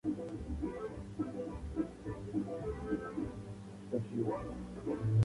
Fue precedida por "Anales Mus.